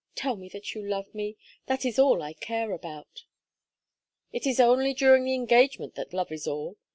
Tell me that you love me. That is all I care about." "It is only during the engagement that love is all.